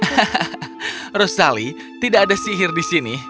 hahaha rosali tidak ada sihir di sini